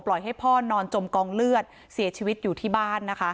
ให้พ่อนอนจมกองเลือดเสียชีวิตอยู่ที่บ้านนะคะ